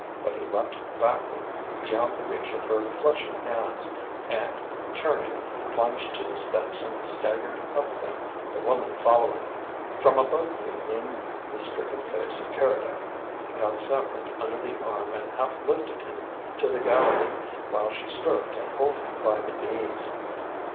But he leaped backward beyond the reach of her clutching hands, and, turning, plunged to the steps and staggered up them, the woman following. From above me leaned the stricken face of Keredec; he caught Saffren under the arm and half lifted him to the gallery, while she strove to hold him by the knees.